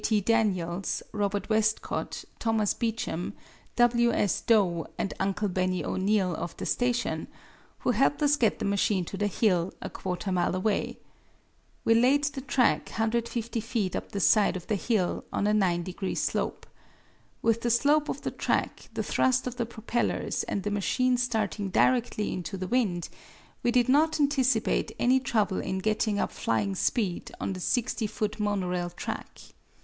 T. Daniels, Robert Westcott, Thomas Beachem, W. S. Dough and Uncle Benny O'Neal, of the station, who helped us get the machine to the hill, a quarter mile away. We laid the track 150 feet up the side of the hill on a 9 degree slope. With the slope of the track, the thrust of the propellers and the machine starting directly into the wind, we did not anticipate any trouble in getting up flying speed on the 60 foot monorail track.